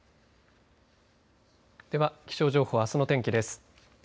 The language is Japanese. では気象情報、あすの天気です。